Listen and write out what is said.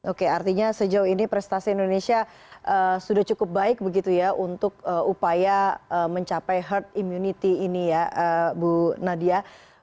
oke artinya sejauh ini prestasi indonesia sudah cukup baik begitu ya untuk upaya mencapai herd immunity ini ya bu nadia